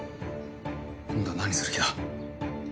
今度は何する気だ？